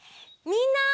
みんな！